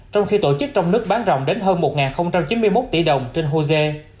trong khi tổ chức trong nước bán rồng đến hơn một chín mươi một tỷ đồng trên hồ dê